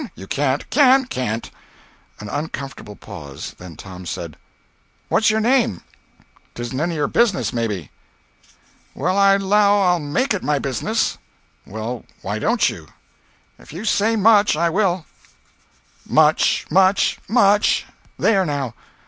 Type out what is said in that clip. "You can't." "Can!" "Can't!" An uncomfortable pause. Then Tom said: "What's your name?" "'Tisn't any of your business, maybe." "Well I 'low I'll make it my business." "Well why don't you?" "If you say much, I will." "Much—much—much. There now."